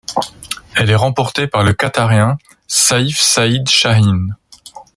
Elle est remportée par le Qatarien Saif Saaeed Shaheen.